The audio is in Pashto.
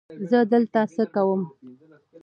زه دلته څه کوم؟